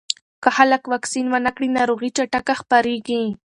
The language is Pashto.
که خلک واکسین ونه کړي، ناروغي چټکه خپرېږي.